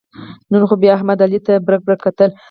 نن خو بیا احمد علي ته برگ برگ کتل.